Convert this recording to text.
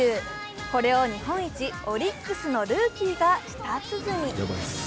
これを日本一・オリックスのルーキーが舌鼓。